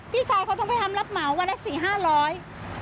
พี่ชายเขาต้องไปทำรับเหมาวันละ๔๕๐๐บาท